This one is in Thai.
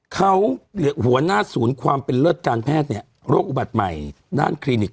เขาหัวหน้าศูนย์ความเป็นเลิศการแพทย์เนี่ยโรคอุบัติใหม่ด้านคลินิก